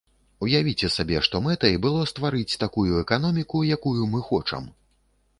Уявіце сабе, што мэтай было стварыць такую эканоміку, якую мы хочам.